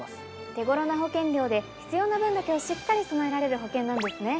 手頃な保険料で必要な分だけをしっかり備えられる保険なんですね。